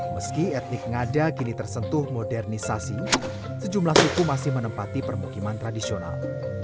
meski etnik ngada kini tersentuh modernisasi sejumlah suku masih menempati permukiman tradisional